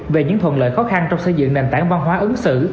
về những thuận lợi khó khăn trong xây dựng nền tảng văn hóa ứng xử